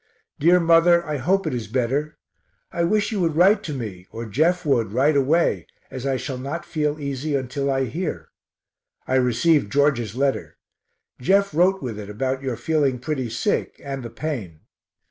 Dear Mother, I hope it is better. I wish you would write to me, or Jeff would, right away, as I shall not feel easy until I hear. I rec'd George's letter. Jeff wrote with it, about your feeling pretty sick, and the pain.